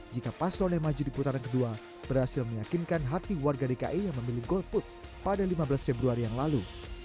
jika paslon yang maju di putaran kedua berhasil meyakinkan hati warga dki yang memilih golput pada lima belas februari yang lalu